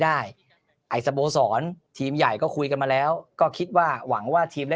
ได้ไอ้สโมสรทีมใหญ่ก็คุยกันมาแล้วก็คิดว่าหวังว่าทีมได้